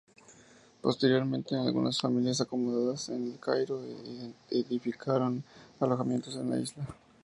Posteriormente algunas familias acomodadas de El Cairo edificaron alojamientos en la isla.